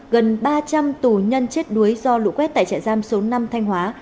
gần ba trăm linh tù nhân chết đuối do lũ quét tại trại giam số năm thanh hóa